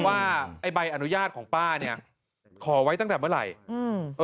ว่าไอ้ใบอนุญาตของป้าเนี่ยขอไว้ตั้งแต่เมื่อไหร่อืม